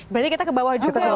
berarti kita ke bawah juga ya mbak